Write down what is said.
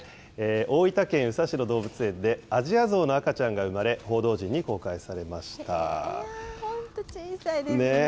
大分県宇佐市の動物園で、アジアゾウの赤ちゃんが生まれ、本当、小さいですね。